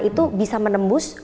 itu bisa menembus